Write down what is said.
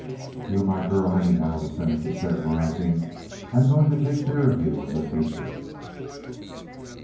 "You're my girl, anyhow," the Senator said, rising. "I'm going to take care of you in the future."